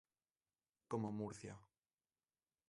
Como Murcia.